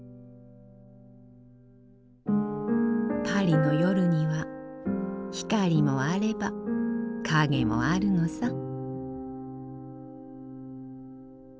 パリの夜には光もあれば影もあるのさ。